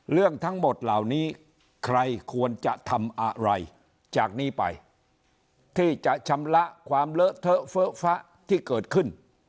เรื่องทั้งหมดเหล่านี้ใครควรจะทำอะไรจากนี้ไปที่จะชำระความเลอะเทอะเฟอะฟะที่เกิดขึ้น